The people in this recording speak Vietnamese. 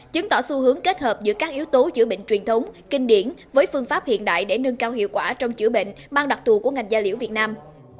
chứng tỏ xu hướng kết hợp giữa các yếu tố chữa bệnh truyền thống kinh điển với phương pháp hiện đại để nâng cao hiệu quả trong chữa bệnh ban đặc thù của ngành gia liễu việt nam